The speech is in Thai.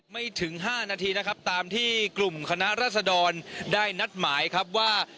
ไม่ถึง๕นาทีนะครับตามที่กลุ่มคณะรัศดรได้นัดหมายครับว่า